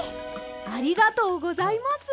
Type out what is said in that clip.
ありがとうございます。